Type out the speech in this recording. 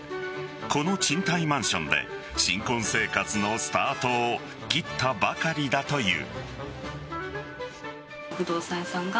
この賃貸マンションで新婚生活のスタートを切ったばかりだという。